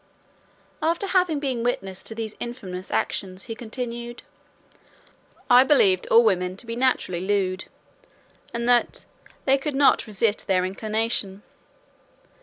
After having been witness to these infamous actions, he continued, "I believed all women to be naturally lewd; and that they could not resist their inclination.